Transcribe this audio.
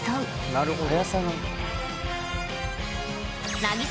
なるほどね。